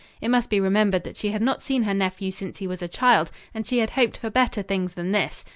It must be remembered that she had not seen her nephew since he was a child, and she had hoped for better things than this.